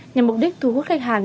nhằm mục đích thu hút khách hàng